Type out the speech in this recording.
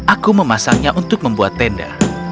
aku memasangnya untuk membuat tenda